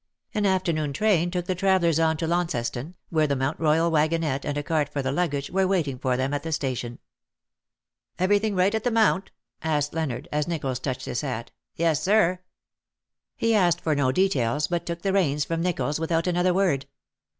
An afternoon train took the travellers on to Launceston, where the Mount Koyal wagonette, and a cart for the luggage, were waiting for them at the station. " Everything right at the jNIount V asked Leonard, as Nicholls touched his hat. " Yes, Sir/' 9G He asked for no details, but took the reins from Nicholls without another word.